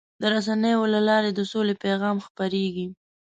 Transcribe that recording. د رسنیو له لارې د سولې پیغام خپرېږي.